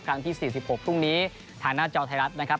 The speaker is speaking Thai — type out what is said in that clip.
ครั้งที่๔๖ตรงนี้ทางหน้าจอไทยรัฐนะครับ